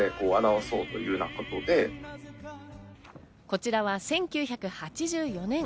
こちらは１９８４年。